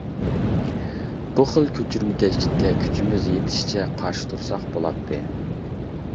بۇ خىل كۆچۈرمىكەشلىككە كۈچىمىز يېتىشىچە قارشى تۇرساق بولاتتى.